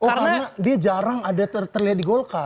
karena dia jarang ada terlihat di golkar